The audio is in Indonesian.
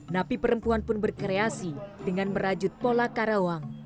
napi perempuan pun berkreasi dengan merajut pola karawang